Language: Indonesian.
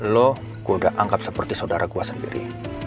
lo udah angkat seperti saudara gue sendiri